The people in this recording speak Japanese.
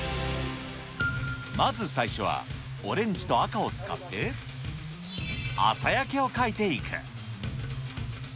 まず最初は、オレンジと赤を使って、朝焼けを描いていく。